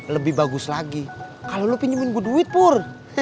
lebih bagus lagi kalo lo pinjemin gue duit pur